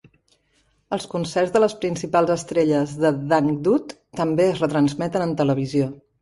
Els concerts de les principals estrelles de dangdut també es retransmeten en televisió.